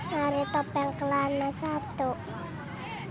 nari topeng kelana satu